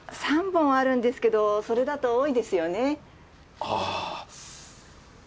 ３本あるんですけどそれだと多いですよね？